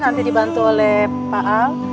nanti dibantu oleh pak a